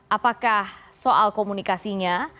apakah soal komunikasinya